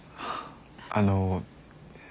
あの。